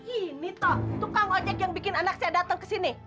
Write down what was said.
ini toh tukang ojek yang bikin anak saya datang ke sini